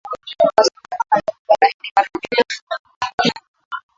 Vasco da Gama alirudi bara hindi mara mbili